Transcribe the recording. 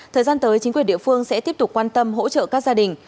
thời gian tới chính quyền địa phương sẽ tiếp tục quan tâm hỗ trợ các gia đình